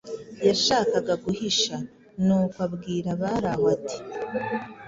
yashakaga guhisha. Nuko abwira abari aho ati: “